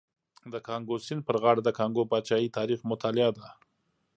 د کانګو سیند پر غاړه د کانګو پاچاهۍ تاریخ مطالعه ده.